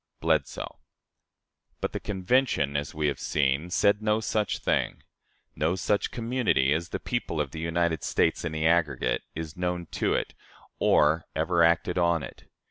'" (Bledsoe.) But the Convention, as we have seen, said no such thing. No such community as "the people of the United States in the aggregate" is known to it, or ever acted on it.